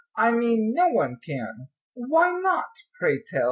"I mean no one can." "Why not, pray tell?"